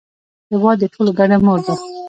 هېواد د ټولو ګډه مور ده.